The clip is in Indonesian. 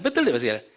betul ya pak segara